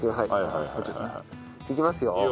いきますよ。